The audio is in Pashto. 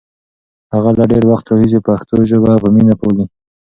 هغه له ډېر وخت راهیسې پښتو ژبه په مینه پالي.